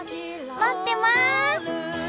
待ってます！